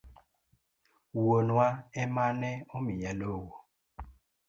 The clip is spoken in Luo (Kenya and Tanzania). Wuonwa ema ne omiya lowo.